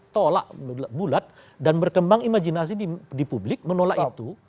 tolak bulat dan berkembang imajinasi di publik menolak itu